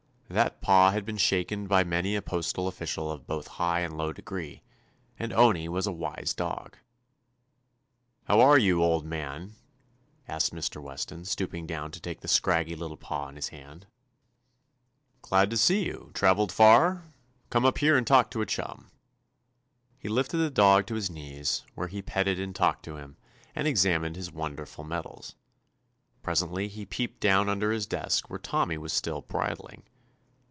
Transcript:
That paw had been shaken by many a postal ofBcial of both high and low degree, and Owney was a wise dog. "How are you, old man*?" asked Mr. Weston, stooping down to take the scraggy little paw in his hand. 223 THE ADVENTURES OF "Glad to see you. Travelled far^ Come up here and talk to a chuiii." He lifted the dog to his knees, where he petted and talked to him, and ex amined his wonderful medals. Pres ently he peeped down under his desk where Tommy was still bridling.